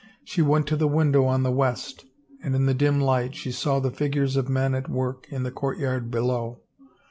She went to the window on the west and in the dim light she saw the figures of men at work in the courtyard below.